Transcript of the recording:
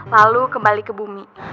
lalu kembali ke bumi